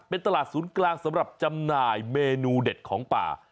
เป็นตลาดศูนย์กลางสำหรับจำหน่ายเมนูเด็ดของป่า